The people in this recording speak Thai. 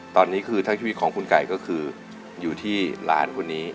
ตอนนี้คือทั้งชีวิตของคุณไก่ก็คืออยู่ที่หลานคนนี้